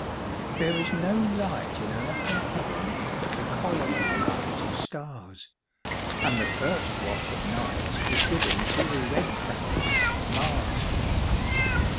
There is no light in earth or heaven, But the cold light of stars; And the first watch of night is given To the red planet Mars.